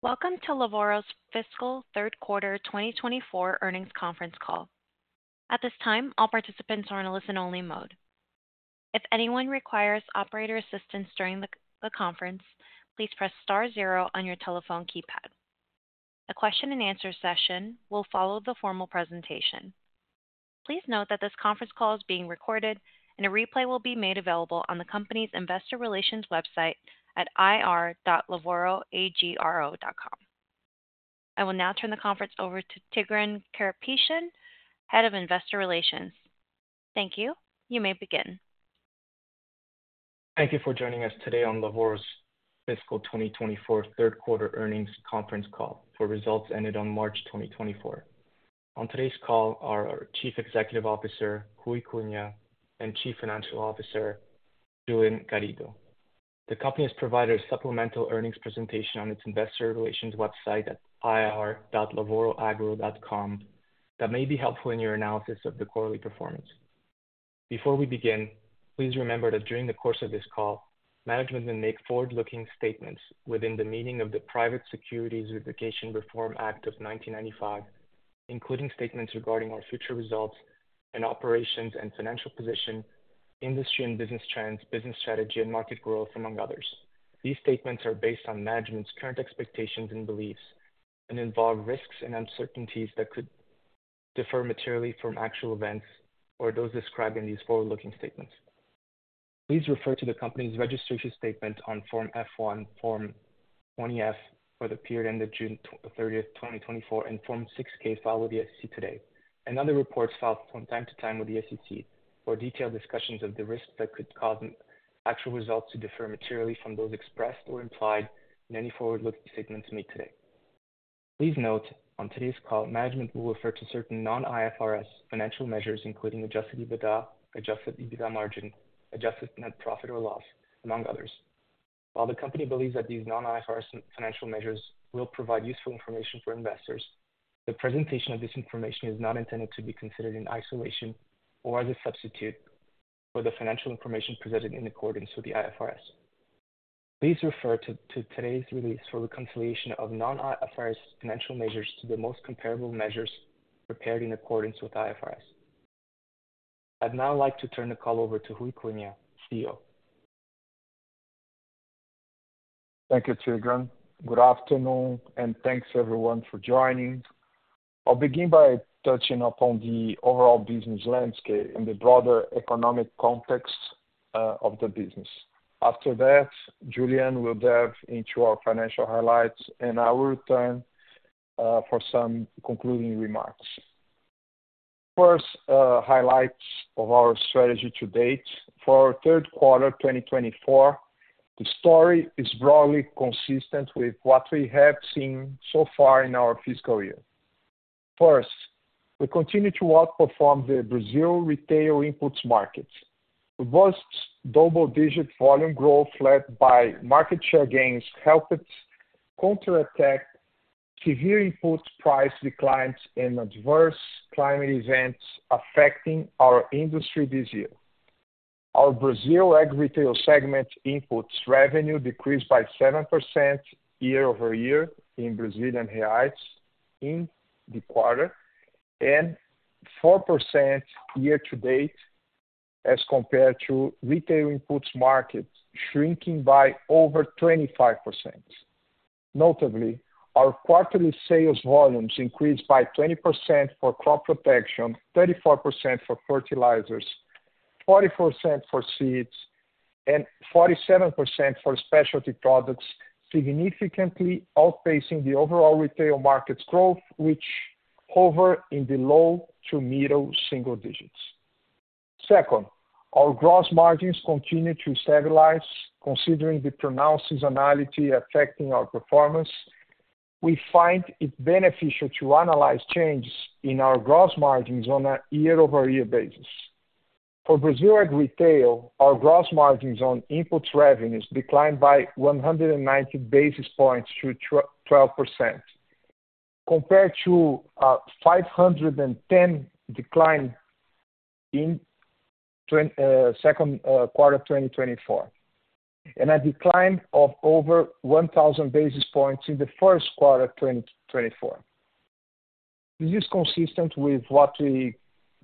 Welcome to Lavoro's Fiscal Third Quarter 2024 Earnings Conference Call. At this time, all participants are in a listen-only mode. If anyone requires operator assistance during the conference, please press star zero on your telephone keypad. A question and answer session will follow the formal presentation. Please note that this conference call is being recorded, and a replay will be made available on the company's investor relations website at ir.lavoro.com. I will now turn the conference over to Tigran Kirakosyan, Head of Investor Relations. Thank you. You may begin. Thank you for joining us today on Lavoro's Fiscal 2024 third quarter earnings conference call for results ended on March 20, 2024. On today's call are our Chief Executive Officer, Ruy Cunha, and Chief Financial Officer, Julian Garrido. The company has provided a supplemental earnings presentation on its investor relations website at ir.lavoro.com that may be helpful in your analysis of the quarterly performance. Before we begin, please remember that during the course of this call, management will make forward-looking statements within the meaning of the Private Securities Litigation Reform Act of 1995, including statements regarding our future results and operations and financial position, industry and business trends, business strategy, and market growth, among others. These statements are based on management's current expectations and beliefs and involve risks and uncertainties that could differ materially from actual events or those described in these forward-looking statements. Please refer to the company's registration statement on Form F-1, Form 20-F for the period end of June 30, 2024, and Form 6-K filed with the SEC today, and other reports filed from time to time with the SEC for detailed discussions of the risks that could cause actual results to differ materially from those expressed or implied in any forward-looking statements made today. Please note, on today's call, management will refer to certain non-IFRS financial measures, including Adjusted EBITDA, Adjusted EBITDA margin, adjusted net profit or loss, among others. While the company believes that these non-IFRS financial measures will provide useful information for investors, the presentation of this information is not intended to be considered in isolation or as a substitute for the financial information presented in accordance with the IFRS. Please refer to today's release for the consolidation of non-IFRS financial measures to the most comparable measures prepared in accordance with IFRS. I'd now like to turn the call over to Ruy Cunha, CEO. Thank you, Tigran. Good afternoon, and thanks, everyone, for joining. I'll begin by touching upon the overall business landscape and the broader economic context of the business. After that, Julian will dive into our financial highlights, and I will return for some concluding remarks. First, highlights of our strategy to date. For our third quarter, 2024, the story is broadly consistent with what we have seen so far in our fiscal year. First, we continue to outperform the Brazil retail inputs market. Robust double-digit volume growth, led by market share gains, helped counteract severe input price declines and adverse climate events affecting our industry this year. Our Brazil Ag Retail segment inputs revenue decreased by 7% year-over-year in Brazilian reais in the quarter, and 4% year to date as compared to retail inputs market shrinking by over 25%. Notably, our quarterly sales volumes increased by 20% for crop protection, 34% for fertilizers, 44% for seeds, and 47% for specialty products, significantly outpacing the overall retail market's growth, which hover in the low to middle single digits. Second, our gross margins continue to stabilize, considering the pronounced seasonality affecting our performance. We find it beneficial to analyze changes in our gross margins on a year-over-year basis. For Brazil Ag Retail, our gross margins on inputs revenues declined by 190 basis points to 12%, compared to a 510 basis points decline in second quarter of 2024, and a decline of over 1,000 basis points in the first quarter of 2024. This is consistent with what we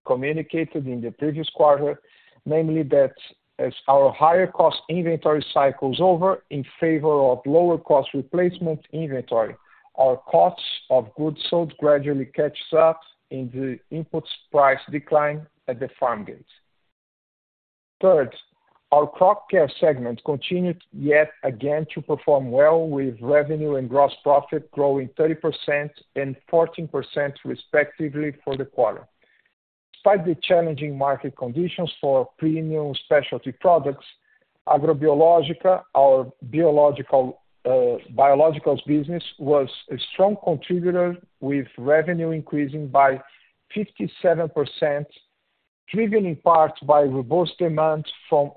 communicated in the previous quarter, namely that as our higher cost inventory cycles over in favor of lower cost replacement inventory, our costs of goods sold gradually catches up in the inputs price decline at the farm gates. Third, our Crop Care segment continued yet again to perform well, with revenue and gross profit growing 30% and 14%, respectively, for the quarter. Despite the challenging market conditions for premium specialty products, Agrobiológica, our biologicals business, was a strong contributor, with revenue increasing by 57%, driven in part by robust demand for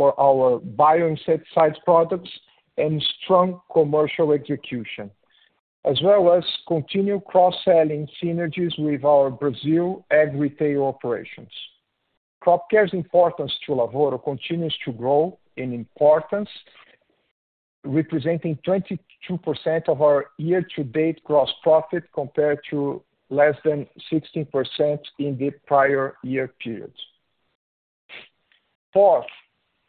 our bioinsecticide products and strong commercial execution, as well as continued cross-selling synergies with our Brazil Ag Retail operations.... Care's importance to Lavoro continues to grow in importance, representing 22% of our year-to-date gross profit, compared to less than 16% in the prior year period. Fourth,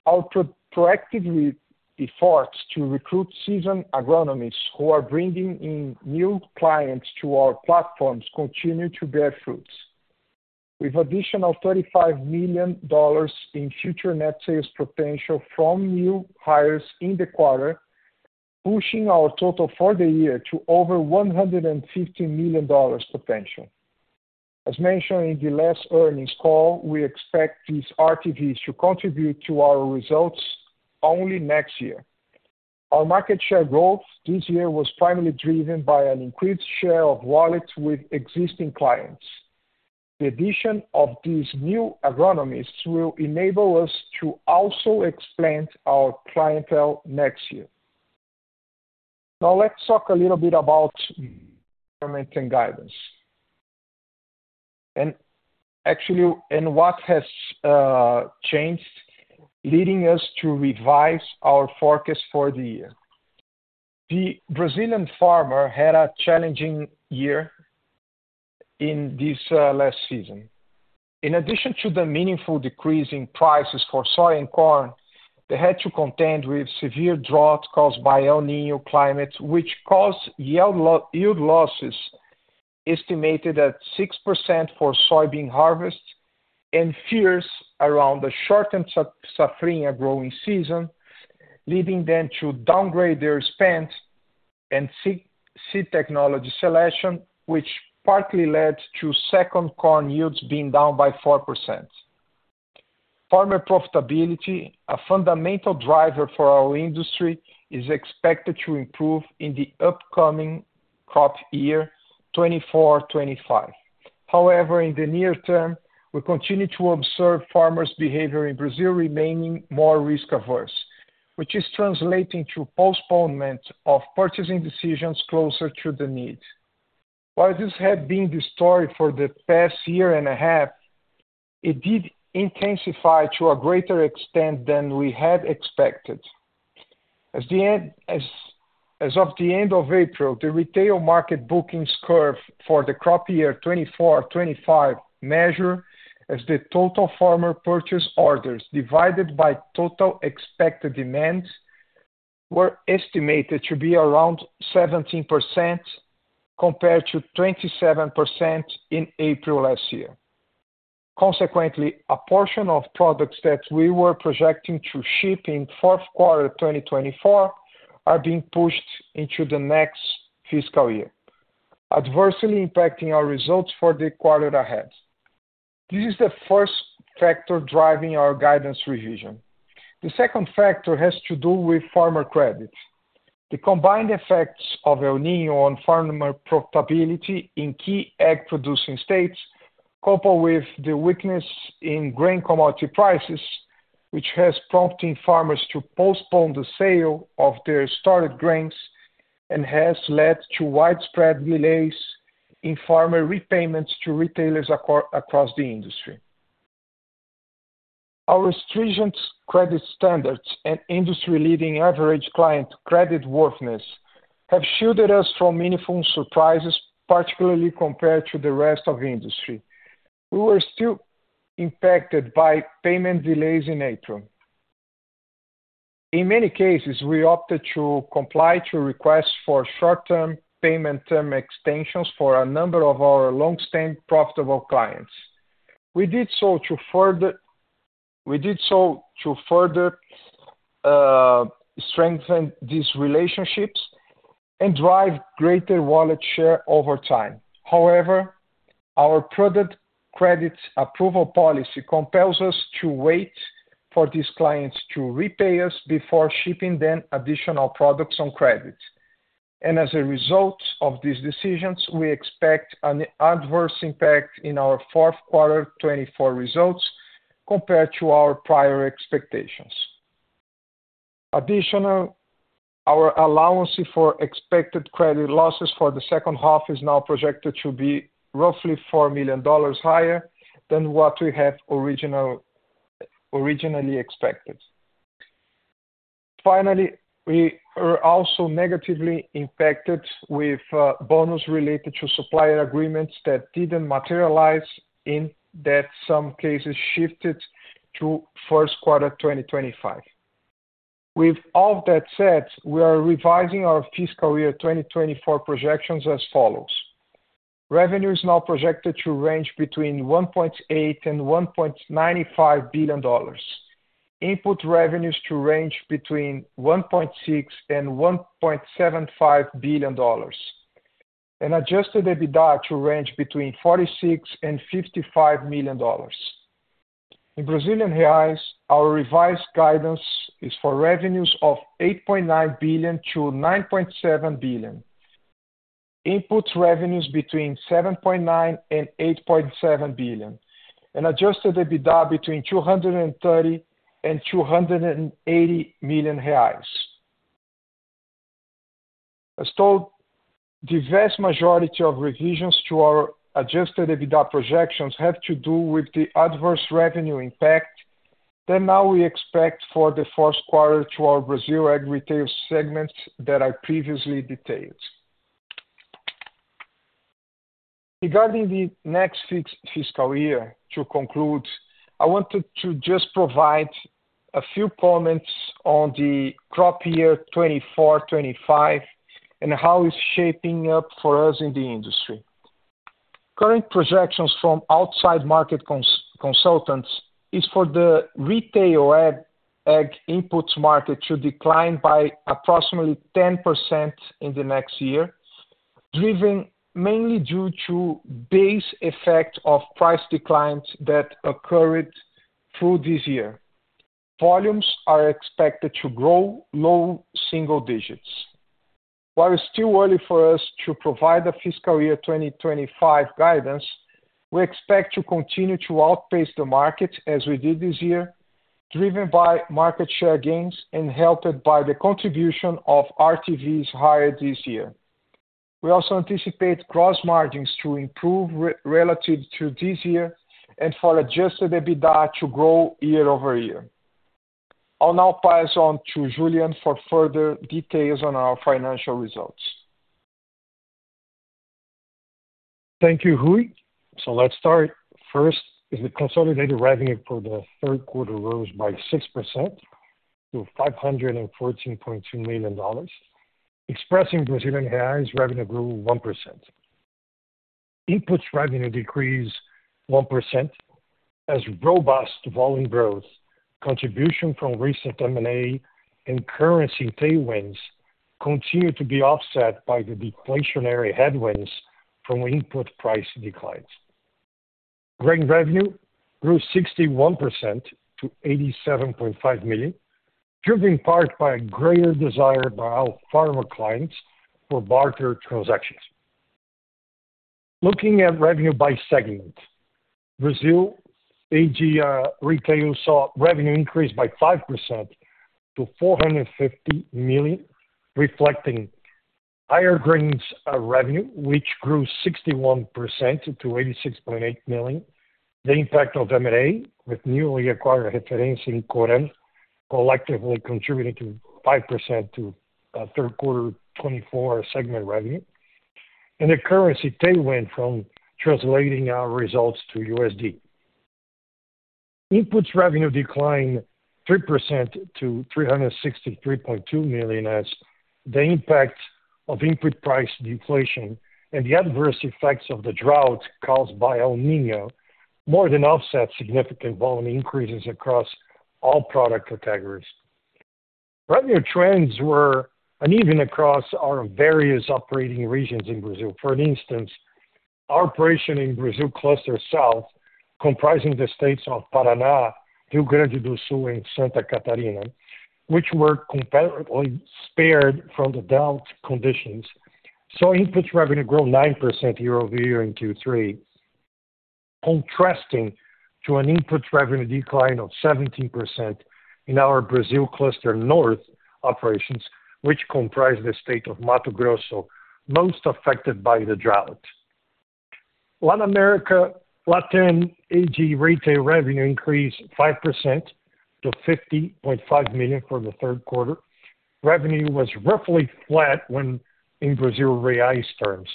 our proactive efforts to recruit seasoned agronomists who are bringing in new clients to our platforms continue to bear fruits. With additional $35 million in future net sales potential from new hires in the quarter, pushing our total for the year to over $150 million potential. As mentioned in the last earnings call, we expect these RTVs to contribute to our results only next year. Our market share growth this year was primarily driven by an increased share of wallet with existing clients. The addition of these new agronomists will enable us to also expand our clientele next year. Now let's talk a little bit about and guidance. Actually, what has changed, leading us to revise our forecast for the year. The Brazilian farmer had a challenging year in this last season. In addition to the meaningful decrease in prices for soy and corn, they had to contend with severe drought caused by El Niño climate, which caused yield losses, estimated at 6% for soybean harvest, and fears around the shortened Safrinha growing season, leading them to downgrade their spend and seek seed technology selection, which partly led to second corn yields being down by 4%. Farmer profitability, a fundamental driver for our industry, is expected to improve in the upcoming crop year 2024-2025. However, in the near term, we continue to observe farmers' behavior in Brazil remaining more risk-averse, which is translating to postponement of purchasing decisions closer to the need. While this had been the story for the past year and a half, it did intensify to a greater extent than we had expected. As of the end of April, the retail market bookings curve for the crop year 2024-2025, measured as the total farmer purchase orders divided by total expected demands, were estimated to be around 17%, compared to 27% in April last year. Consequently, a portion of products that we were projecting to ship in fourth quarter 2024 are being pushed into the next fiscal year, adversely impacting our results for the quarter ahead. This is the first factor driving our guidance revision. The second factor has to do with farmer credit. The combined effects of El Niño on farmer profitability in key egg-producing states, coupled with the weakness in grain commodity prices, which has prompting farmers to postpone the sale of their stored grains and has led to widespread delays in farmer repayments to retailers across the industry. Our stringent credit standards and industry-leading average client credit worthiness have shielded us from meaningful surprises, particularly compared to the rest of the industry. We were still impacted by payment delays in April. In many cases, we opted to comply to requests for short-term payment term extensions for a number of our long-standing profitable clients. We did so to further strengthen these relationships and drive greater wallet share over time. However, our product credit approval policy compels us to wait for these clients to repay us before shipping them additional products on credit. As a result of these decisions, we expect an adverse impact in our fourth quarter 2024 results compared to our prior expectations. Additionally, our allowance for expected credit losses for the second half is now projected to be roughly $4 million higher than what we had originally expected. Finally, we are also negatively impacted with bonus related to supplier agreements that didn't materialize, in that some cases shifted to first quarter 2025. With all that said, we are revising our fiscal year 2024 projections as follows: Revenue is now projected to range between $1.8 billion and $1.95 billion. Input revenues to range between $1.6 billion and $1.75 billion, and Adjusted EBITDA to range between $46 million and $55 million. In Brazilian reais, our revised guidance is for revenues of 8.9 billion-9.7 billion. Input revenues between 7.9 billion and 8.7 billion, and Adjusted EBITDA between 230 million and 280 million reais.... As told, the vast majority of revisions to our Adjusted EBITDA projections have to do with the adverse revenue impact that now we expect for the fourth quarter to our Brazil Ag Retail segment that I previously detailed. Regarding the next fiscal year, to conclude, I wanted to just provide a few comments on the crop year 2024-2025, and how it's shaping up for us in the industry. Current projections from outside market consultants is for the retail ag, ag inputs market to decline by approximately 10% in the next year, driven mainly due to base effect of price declines that occurred through this year. Volumes are expected to grow low single digits. While it's still early for us to provide a fiscal year 2025 guidance, we expect to continue to outpace the market as we did this year, driven by market share gains and helped by the contribution of RTVs hired this year. We also anticipate gross margins to improve relative to this year and for Adjusted EBITDA to grow year-over-year. I'll now pass on to Julian for further details on our financial results. Thank you, Ruy. So let's start. First, the consolidated revenue for the third quarter rose by 6% to $514.2 million. Expressed in Brazilian reais, revenue grew 1%. Inputs revenue decreased 1%, as robust volume growth, contribution from recent M&A and currency tailwinds continue to be offset by the deflationary headwinds from input price declines. Grain revenue grew 61% to $87.5 million, driven in part by a greater desire by our farmer clients for barter transactions. Looking at revenue by segment. Brazil Ag retail saw revenue increase by 5% to $450 million, reflecting higher grains revenue, which grew 61% to $86.8 million. The impact of M&A with newly acquired Referência and Coram, collectively contributing to 5% to third quarter 2024 segment revenue, and the currency tailwind from translating our results to USD. Inputs revenue declined 3% to $363.2 million as the impact of input price deflation and the adverse effects of the drought caused by El Niño, more than offset significant volume increases across all product categories. Revenue trends were uneven across our various operating regions in Brazil. For instance, our operation in Brazil Cluster South, comprising the states of Paraná, Rio Grande do Sul, and Santa Catarina, which were comparatively spared from the drought conditions, saw inputs revenue grow 9% year-over-year in Q3, contrasting to an input revenue decline of 17% in our Brazil Cluster North operations, which comprise the state of Mato Grosso, most affected by the drought. Latin America LatAm Retail revenue increased 5% to $50.5 million for the third quarter. Revenue was roughly flat when in Brazilian reais terms.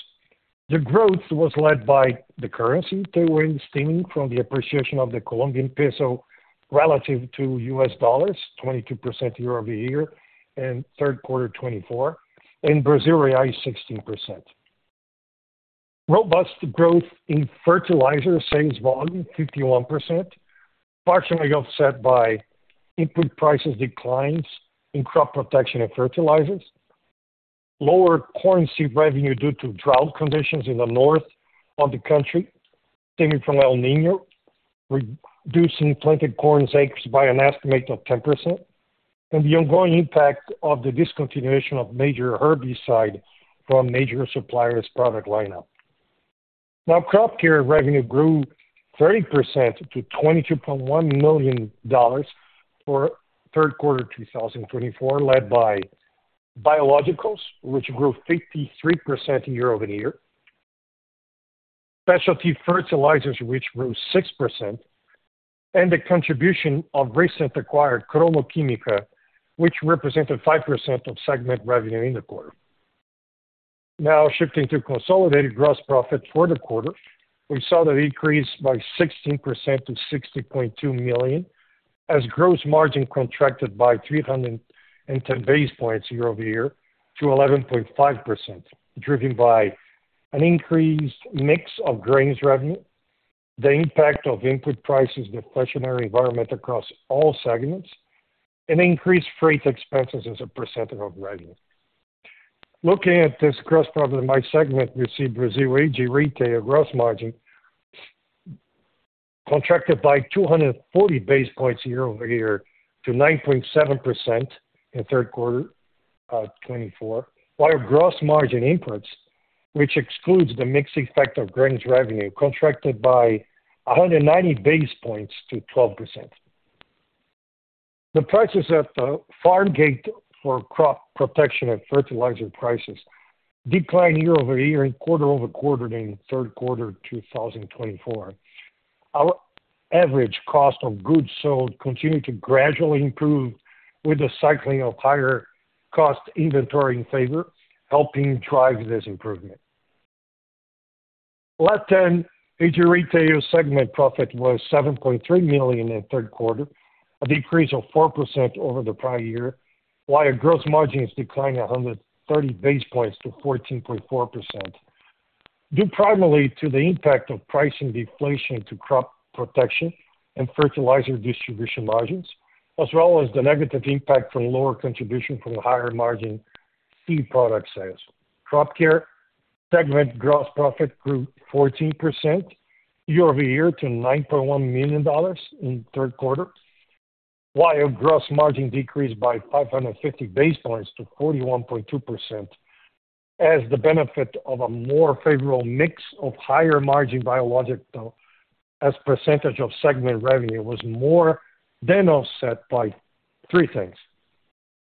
The growth was led by the currency tailwind stemming from the appreciation of the Colombian peso relative to US dollars, 22% year-over-year in third quarter 2024, and Brazilian reais 16%. Robust growth in fertilizer sales volume, 51%, partially offset by input prices declines in crop protection and fertilizers, lower corn seed revenue due to drought conditions in the north of the country, stemming from El Niño, reducing planted corn acres by an estimate of 10%, and the ongoing impact of the discontinuation of major herbicide from major suppliers' product lineup. Now, Crop Care revenue grew 30% to $22.1 million for third quarter 2024, led by biologicals, which grew 53% year-over-year, specialty fertilizers, which grew 6%, and the contribution of recent acquired Cromo Química, which represented 5% of segment revenue in the quarter. Now, shifting to consolidated gross profit for the quarter, we saw that increase by 16% to $60.2 million, as gross margin contracted by 310 basis points year-over-year to 11.5%, driven by an increased mix of grains revenue, the impact of input prices deflationary environment across all segments, and increased freight expenses as a percent of revenue. Looking at this gross profit by segment, we see Brazil Ag Retail gross margin contracted by 240 basis points year-over-year to 9.7% in third quarter 2024. While gross margin inputs, which excludes the mix effect of grains revenue, contracted by 190 basis points to 12%.... The prices at the farm gate for crop protection and fertilizer prices declined year-over-year and quarter-over-quarter in third quarter 2024. Our average cost of goods sold continued to gradually improve with the cycling of higher cost inventory in favor, helping drive this improvement. LatAm Retail segment profit was $7.3 million in the third quarter, a decrease of 4% over the prior year, while our gross margins declined 100 basis points to 14.4%, due primarily to the impact of pricing deflation to crop protection and fertilizer distribution margins, as well as the negative impact from lower contribution from the higher margin seed product sales. Crop Care segment gross profit grew 14% year-over-year to $9.1 million in third quarter, while gross margin decreased by 550 basis points to 41.2%. As the benefit of a more favorable mix of higher margin biological as percentage of segment revenue was more than offset by three things.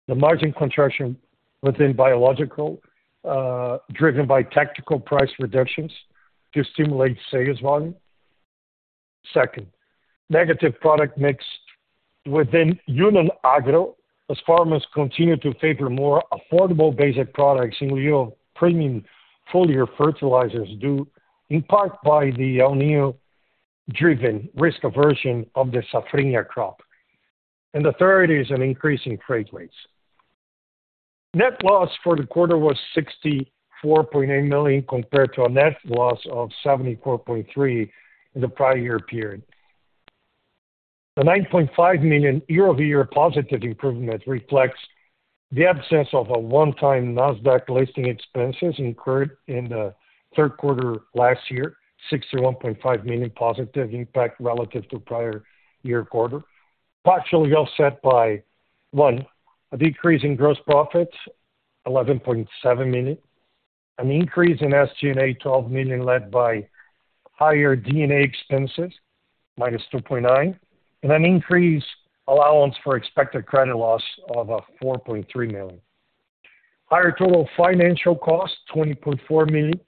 The margin contraction within biological, driven by tactical price reductions to stimulate sales volume. Second, negative product mix within Union Agro, as farmers continue to favor more affordable basic products in lieu of premium foliar fertilizers, due in part by the El Niño-driven risk aversion of the Safrinha crop. And the third is an increase in freight rates. Net loss for the quarter was $64.8 million, compared to a net loss of $74.3 million in the prior year period. The $9.5 million year-over-year positive improvement reflects the absence of a one-time NASDAQ listing expenses incurred in the third quarter last year, $61.5 million positive impact relative to prior year quarter, partially offset by, one, a decrease in gross profits, $11.7 million, an increase in SG&A, $12 million led by higher D&A expenses, minus $2.9, and an increased allowance for expected credit loss of, $4.3 million. Higher total financial costs, $20.4 million,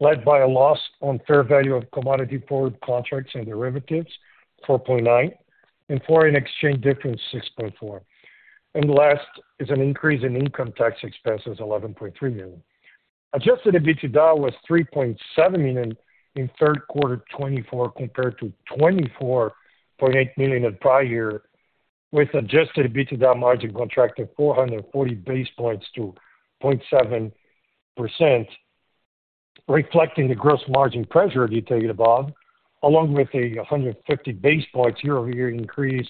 led by a loss on fair value of commodity forward contracts and derivatives, $4.9, and foreign exchange difference, $6.4. And last is an increase in income tax expenses, $11.3 million. Adjusted EBITDA was $3.7 million in third quarter 2024, compared to $24.8 million in prior year, with adjusted EBITDA margin contracted 440 basis points to 0.7%, reflecting the gross margin pressure I detailed about, along with a 150 basis points year-over-year increase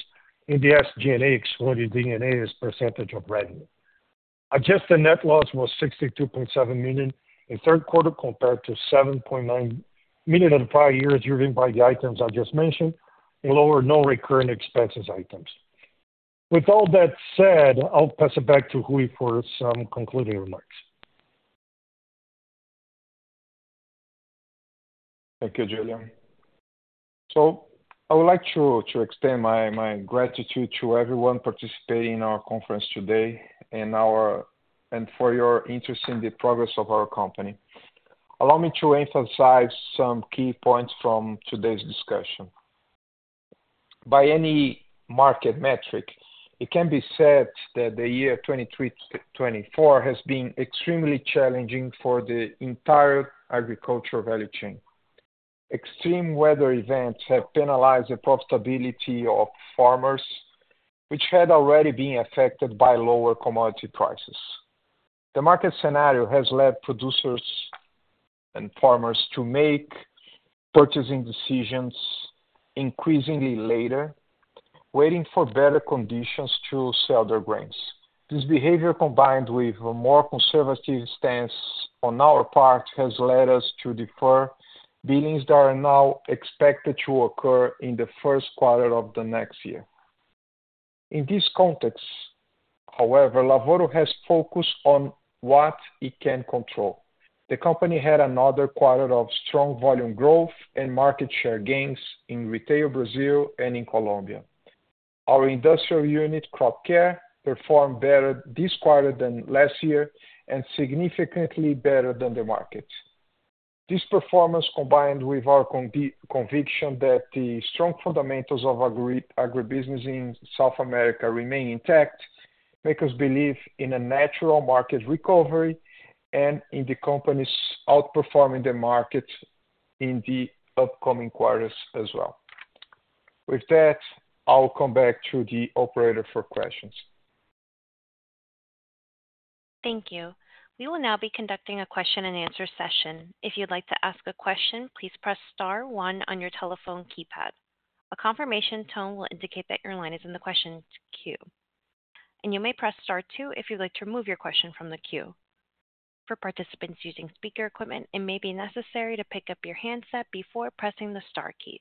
in the SG&A, excluding D&A, as percentage of revenue. Adjusted net loss was $62.7 million in third quarter, compared to $7.9 million in prior years, driven by the items I just mentioned, and lower non-recurrent expenses items. With all that said, I'll pass it back to Ruy for some concluding remarks. Thank you, Julian. So I would like to extend my gratitude to everyone participating in our conference today and for your interest in the progress of our company. Allow me to emphasize some key points from today's discussion. By any market metric, it can be said that the year 2023 to 2024 has been extremely challenging for the entire agricultural value chain. Extreme weather events have penalized the profitability of farmers, which had already been affected by lower commodity prices. The market scenario has led producers and farmers to make purchasing decisions increasingly later, waiting for better conditions to sell their grains. This behavior, combined with a more conservative stance on our part, has led us to defer billings that are now expected to occur in the first quarter of the next year. In this context, however, Lavoro has focused on what it can control. The company had another quarter of strong volume growth and market share gains in retail Brazil and in Colombia. Our industrial unit, CropCare, performed better this quarter than last year and significantly better than the market. This performance, combined with our conviction that the strong fundamentals of agribusiness in South America remain intact, make us believe in a natural market recovery and in the company's outperforming the market in the upcoming quarters as well. With that, I'll come back to the operator for questions. Thank you. We will now be conducting a question-and-answer session. If you'd like to ask a question, please press star one on your telephone keypad. A confirmation tone will indicate that your line is in the question queue, and you may press star two if you'd like to remove your question from the queue. For participants using speaker equipment, it may be necessary to pick up your handset before pressing the star keys.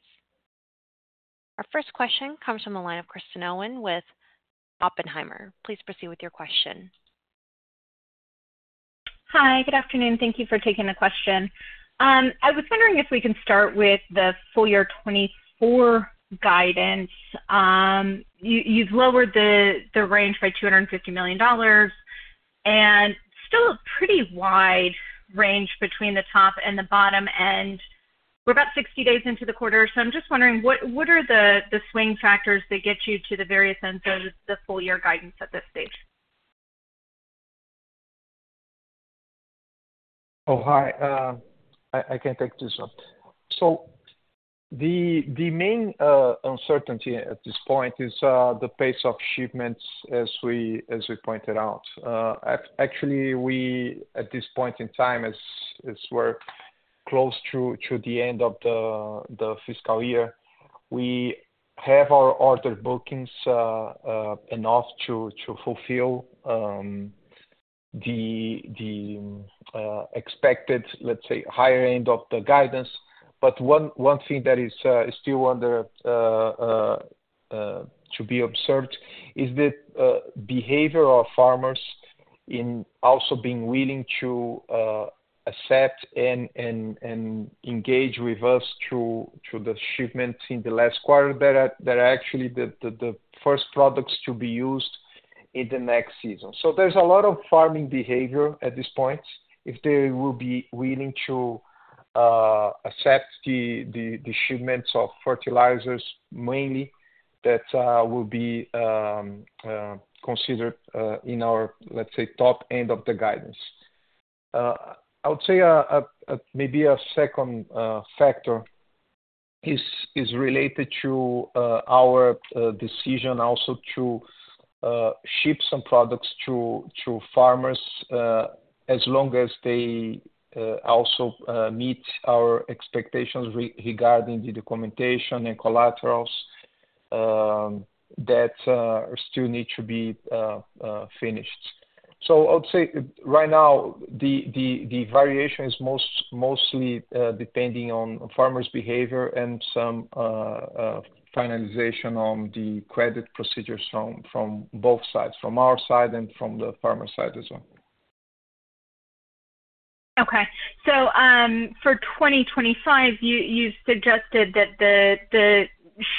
Our first question comes from the line of Kristen Owen with Oppenheimer. Please proceed with your question. ... Hi, good afternoon. Thank you for taking the question. I was wondering if we can start with the full year 2024 guidance. You, you've lowered the range by $250 million, and still a pretty wide range between the top and the bottom, and we're about 60 days into the quarter. So I'm just wondering, what are the swing factors that get you to the various ends of the full year guidance at this stage? Oh, hi. I can take this one. So the main uncertainty at this point is the pace of shipments as we pointed out. Actually, at this point in time, as we're close to the end of the fiscal year, we have our order bookings enough to fulfill the expected, let's say, higher end of the guidance. But one thing that is still to be observed is the behavior of farmers also being willing to accept and engage with us through the shipment in the last quarter that are actually the first products to be used in the next season. So there's a lot of farming behavior at this point. If they will be willing to accept the shipments of fertilizers, mainly, that will be considered in our, let's say, top end of the guidance. I would say, maybe a second factor is related to our decision also to ship some products to farmers as long as they also meet our expectations regarding the documentation and collaterals that still need to be finished. So I would say right now, the variation is mostly depending on farmers' behavior and some finalization on the credit procedures from both sides, from our side and from the farmer side as well. Okay. So, for 2025, you suggested that the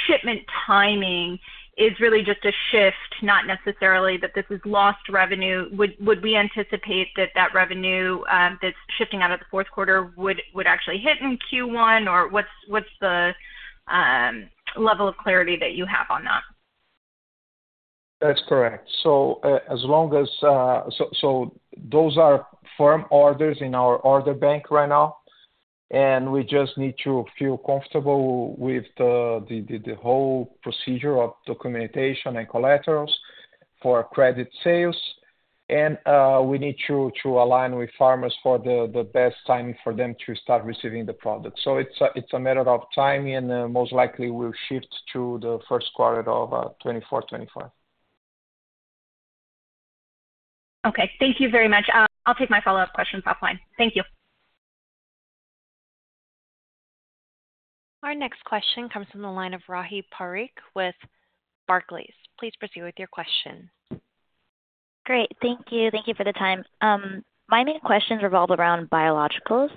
shipment timing is really just a shift, not necessarily that this is lost revenue. Would we anticipate that revenue that's shifting out of the fourth quarter would actually hit in Q1? Or what's the level of clarity that you have on that? That's correct. So those are firm orders in our order bank right now, and we just need to feel comfortable with the whole procedure of documentation and collaterals for credit sales. And we need to align with farmers for the best timing for them to start receiving the product. So it's a matter of timing, and most likely will shift to the first quarter of 2024, 2025. Okay. Thank you very much. I'll take my follow-up questions offline. Thank you. Our next question comes from the line of Rahi Parikh with Barclays. Please proceed with your question. Great. Thank you. Thank you for the time. My main questions revolve around biologicals.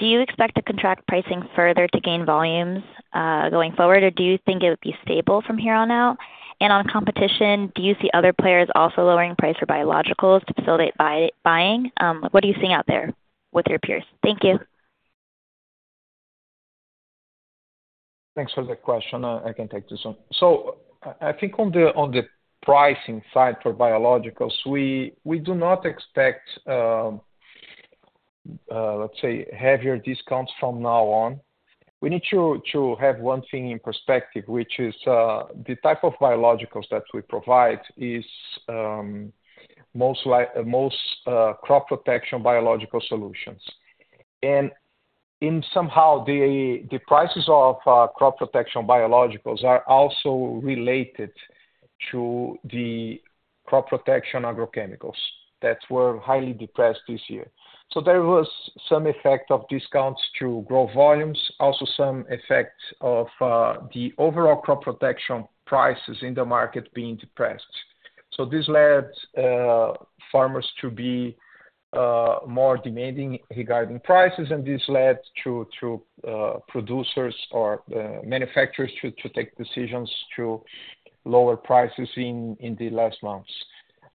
Do you expect to contract pricing further to gain volumes, going forward, or do you think it would be stable from here on out? And on competition, do you see other players also lowering price for biologicals to facilitate buying? What are you seeing out there with your peers? Thank you. Thanks for the question. I can take this one. So I think on the pricing side for biologicals, we do not expect, let's say, heavier discounts from now on. We need to have one thing in perspective, which is the type of biologicals that we provide is most crop protection biological solutions. And somehow the prices of crop protection biologicals are also related to the crop protection agrochemicals that were highly depressed this year. So there was some effect of discounts to grow volumes, also some effect of the overall crop protection prices in the market being depressed. So this led farmers to be more demanding regarding prices, and this led to producers or manufacturers to take decisions to lower prices in the last months.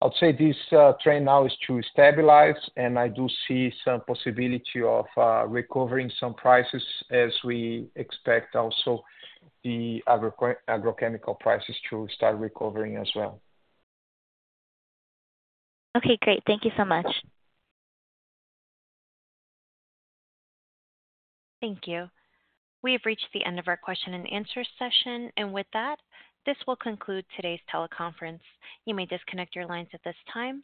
I'll say this, trend now is to stabilize, and I do see some possibility of recovering some prices as we expect also the agrochemical prices to start recovering as well. Okay, great. Thank you so much. Thank you. We have reached the end of our question and answer session, and with that, this will conclude today's teleconference. You may disconnect your lines at this time.